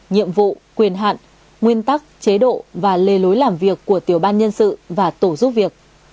nhiệm vụ quyền hạn nguyên tắc chế độ và lề lối làm việc của tiểu ban nhân sự và tổ giúp việc